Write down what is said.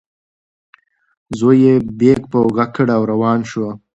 زوی یې بیک په اوږه کړ او روان شو.